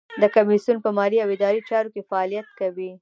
د کمیسیون په مالي او اداري چارو کې فعالیت کوي.